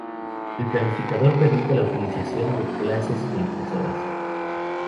El planificador permite la utilización de clases de impresoras.